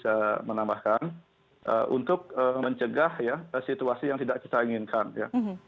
saya menambahkan untuk mencegah ya situasi yang tidak kita inginkan ya